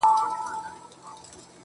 دلته چې ځان وځغوري څوک د شرابونو نه